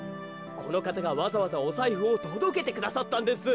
このかたがわざわざおさいふをとどけてくださったんです。